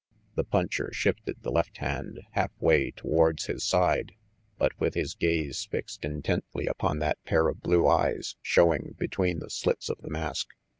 The puncher shifted the left hand half way towards his side, but with his gaze fixed intently upon that pair of blue eyes showing between the slits of the mask.